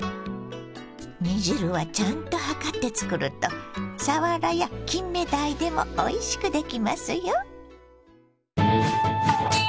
煮汁はちゃんと量って作るとさわらやきんめだいでもおいしくできますよ。